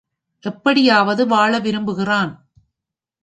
எப்படியாவது வாழ விரும்புகிறான்.